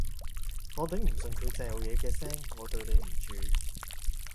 我頂唔順佢嚼嘢嘅聲，我對你唔住